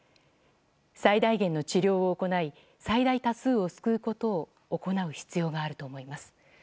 最大限の治療を行い最大多数を救うことを行う必要があると思います。